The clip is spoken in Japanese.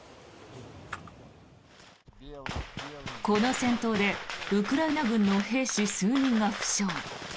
この戦闘でウクライナ軍の兵士数人が負傷。